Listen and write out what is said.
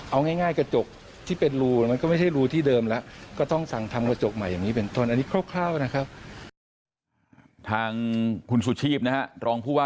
เอาง่ายกระจกที่เป็นรูมันก็ไม่ใช่รูที่เดิมแล้ว